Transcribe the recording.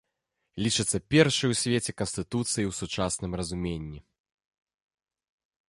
Лічыцца першай у свеце канстытуцыяй у сучасным разуменні.